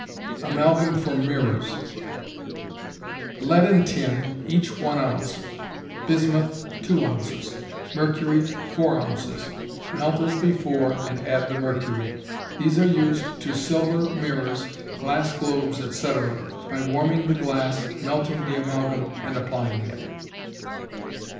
Amalgam for Mirrors. Lead and tin, each 1 oz; bismuth, 2 oz; mercury, 4 oz.; melt as before, and add the mercury. These are used to silver mirrors, glass globes, etc., by warming the glass, melting the amalgam, and applying it.